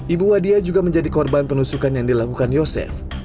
ibu wadiah juga menjadi korban penusukan yang dilakukan yosef